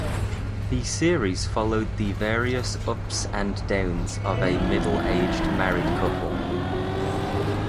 The series followed the various ups and downs of a middle-aged married couple.